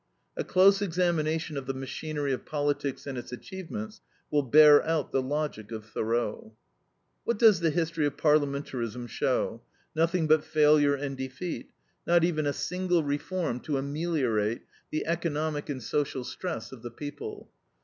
A close examination of the machinery of politics and its achievements will bear out the logic of Thoreau. What does the history of parliamentarism show? Nothing but failure and defeat, not even a single reform to ameliorate the economic and social stress of the people.